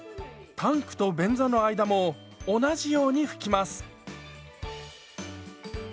タンクと便座の間も同じように拭きます。